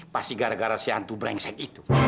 pasti gara gara si hantu brengsek itu